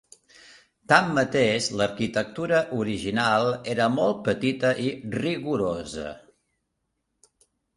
Tanmateix, l'arquitectura original era molt petita i rigorosa.